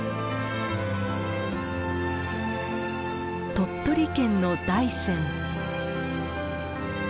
鳥取県の大山。